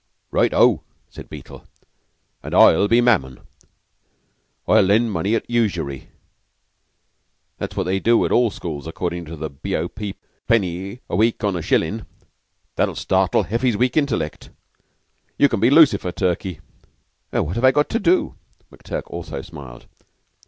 "Right O," said Beetle, "and I'll be Mammon. I'll lend money at usury that's what they do at all schools accordin' to the B.O.P. Penny a week on a shillin'. That'll startle Heffy's weak intellect. You can be Lucifer, Turkey." "What have I got to do?" McTurk also smiled.